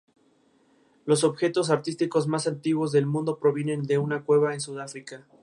Aunque nació en Saigón, Vietnam, fue criado en Tondo, Manila, Filipinas.